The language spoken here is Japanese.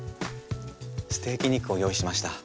ステーキ肉を用意しました。